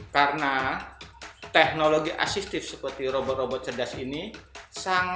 karena teknologi asistif seperti robot robot ini kita bisa membuat robot robot yang lebih berkualitas